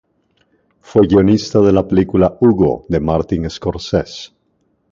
Fue guionista de la película "Hugo" de Martin Scorsese.